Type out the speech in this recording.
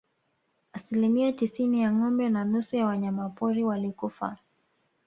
Asilimia tisini ya ngombe na nusu ya wanyama pori walikufa